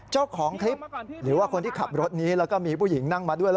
เจ้าของคลิปหรือว่าคนที่ขับรถนี้แล้วก็มีผู้หญิงนั่งมาด้วย